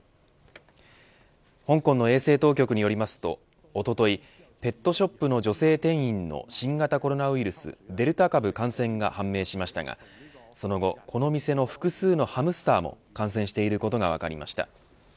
香港の衛生当局によりますとおとといペットショップの女性店員の新型コロナウイルスデルタ株感染が判明しましたがその後この店の複数のハムスターも感染していることが分かりました。